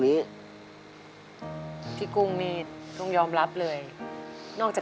เปลี่ยนเพลงเพลงเก่งของคุณและข้ามผิดได้๑คำ